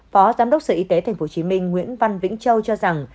phó giám đốc sở y tế tp hcm nguyễn văn vĩnh châu cho rằng